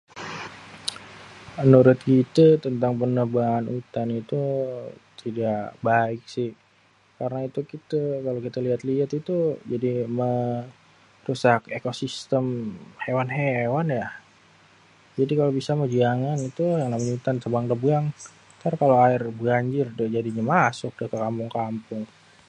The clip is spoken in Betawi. Menurut kité tentang penebangan utan itu tidak baik sih. Karna itu kite kalau kite liat-liat itu jadi merusak ekosistem hewan-hewan ya. Jadi kalo bisa mah jangan itu yang namanya utan ditebang-tebang. Ntar kalo aér banjir udah jadinya masuk dah ke kampung-kampung.